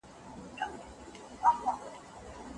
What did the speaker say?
د بازار خلګ د ساعت قدر نه پېژني.